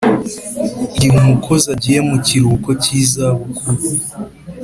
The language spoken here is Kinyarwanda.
Igihe umukozi agiye mu kiruhuko cy izabukuru